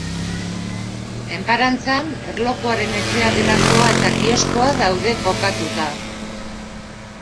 Enparantzan, Erlojuaren Etxea delakoa eta kioskoa daude kokatuta.